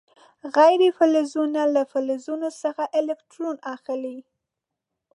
غیر فلزونه له فلزونو څخه الکترون اخلي.